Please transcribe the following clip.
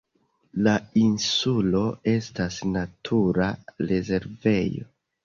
La insulo estas natura rezervejo.